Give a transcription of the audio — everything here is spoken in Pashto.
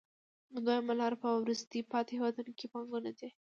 دویمه لار په وروسته پاتې هېوادونو کې پانګونه ده